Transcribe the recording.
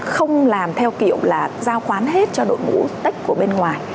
không làm theo kiểu là giao khoán hết cho đội ngũ tách của bên ngoài